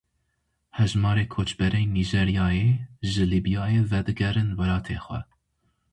Hejmarek koçberên Nîjeryayê ji Lîbyayê vedigerin welatê xwe.